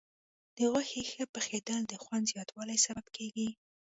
د غوښې ښه پخېدل د خوند زیاتوالي سبب کېږي.